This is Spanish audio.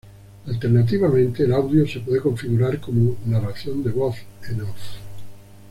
Alternativamente, el audio se puede configurar como narración de voz en off.